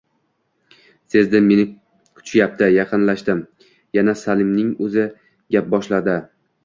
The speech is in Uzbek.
Sezdim, meni kutishyapti. Yaqinlashdim. Yana Salimning oʻzi gap boshladi: